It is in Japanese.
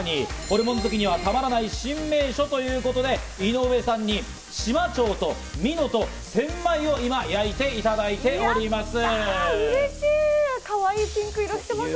まさにホルモン好きにはたまらない新名所ということで井上さんにシマチョウとミノとセンマイを今焼いていただいております。